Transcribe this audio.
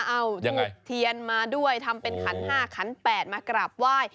เอาถูกเทียนมาด้วยทำเป็นขัน๕ขัน๘มากราบไหว้